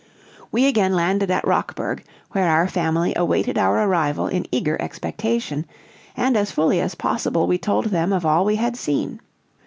We again landed at Rockburg, where our family awaited our arrival in eager expectation, and as fully as possible we told them of all we had seen.